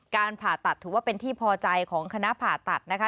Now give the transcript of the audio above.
การผ่าตัดถือว่าเป็นที่พอใจของคณะผ่าตัดนะคะ